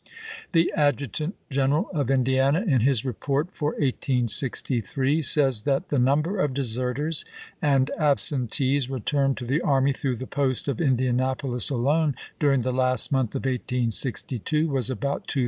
The adjutant general of Indiana, in his report for 1863, says that the number of deserters and absentees returned to the army through the post of Indianapolis alone, during the last month of 1862, was about 2600.